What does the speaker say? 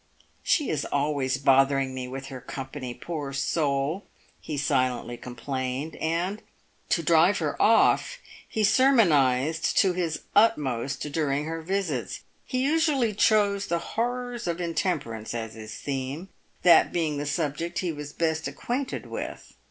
" She is always bothering me with her company, poor soul !" he silently complained, and, to drive her off, he sermonised to his utmost during her visits. He usually chose the horrors of intem perance as his theme, that being the subject he was best acquainted with.